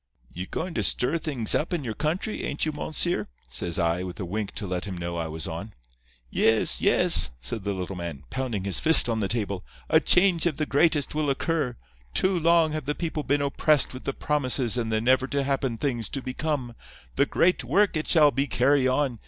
"'You goin' to stir things up in your country, ain't you, monseer?' says I, with a wink to let him know I was on. "'Yes, yes,' said the little man, pounding his fist on the table. 'A change of the greatest will occur. Too long have the people been oppressed with the promises and the never to happen things to become. The great work it shall be carry on.